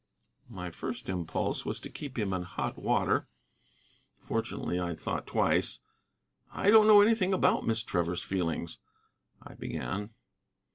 My first impulse was to keep him in hot water. Fortunately I thought twice. "I don't know anything about Miss Trevor's feelings " I began.